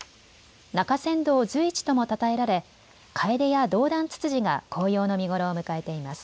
中山道随一ともたたえられカエデやドウダンツツジが紅葉の見頃を迎えています。